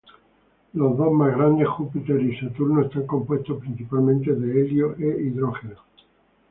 Los dos más grandes, Júpiter y Saturno, están compuestos principalmente de helio e hidrógeno.